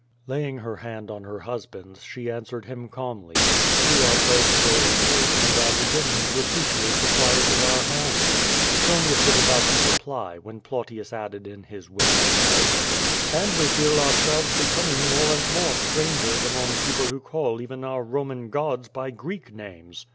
Laying her hand on her husband's she answered him calmly. "We are both growing old, and are beginning to appreciate the quiet of our home/' QUO VADIR. 27 Petronius was about to reply, when Plautius added in his whistling voice: "And we feel ourselves becoming more and more strangers among people who call even our Roman gods by Greek names."